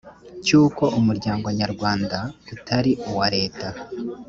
cy uko umuryango nyarwanda utari uwa leta